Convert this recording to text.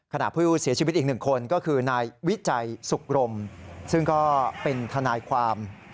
ขณะผู้เสียชีวิตอีกหนึ่งคนก็คือนายวิจัยสุขรมซึ่งก็เป็นทนายความ